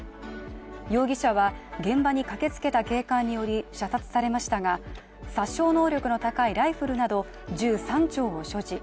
容疑者は現場に駆けつけた警官により射殺されましたが殺傷能力の高いライフルなど銃３丁を所持。